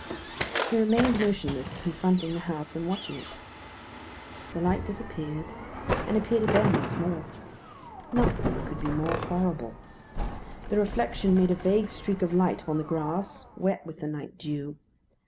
He remained motionless, confronting the house and watching it. The light disappeared, and appeared again once more. Nothing could be more horrible. The reflection made a vague streak of light upon the grass, wet with the night dew.